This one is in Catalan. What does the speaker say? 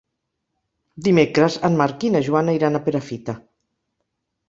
Dimecres en Marc i na Joana iran a Perafita.